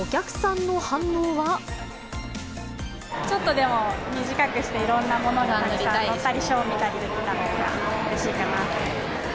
ちょっとでも短くして、いろんなものに乗ったり、ショー見たりしたほうがうれしいかなと思います。